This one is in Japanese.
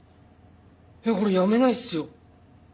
えっ俺辞めないっすよ。